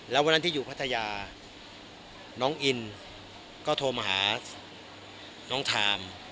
แล้ววันนั้นที่อยู่พัทยาน้องอินก็โทรมาหาน้องทาม